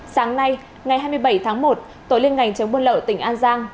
sáng nay ngày hai mươi bảy tháng một tổ liên ngành chống buôn lậu tỉnh an giang